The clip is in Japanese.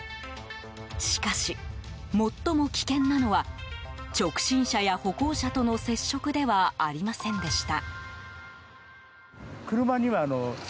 しかし、最も危険なのは直進車や歩行者との接触ではありませんでした。